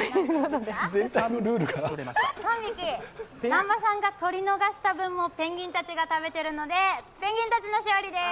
南波さんが取りのがした分もペンギンたちが食べているのでペンギンたちの勝利でーす。